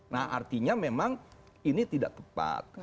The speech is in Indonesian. nah artinya memang ini tidak tepat